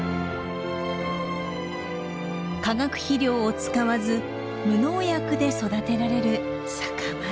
化学肥料を使わず無農薬で育てられる酒米。